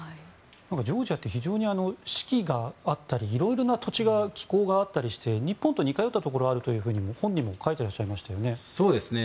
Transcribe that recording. ジョージアって非常に四季があったりいろいろな土地が気候があったりして、日本とは似通ったところがあると本にも書いてらっしゃいましたよね。